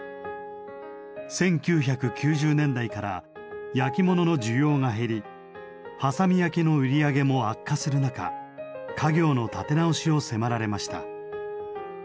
１９９０年代から焼き物の需要が減り波佐見焼の売り上げも悪化する中家業の立て直しを迫られました。